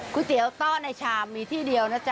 เตี๋ยวต้อในชามมีที่เดียวนะจ๊